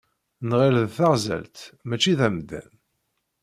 Nɣil d taɣzalt mačči d amdan.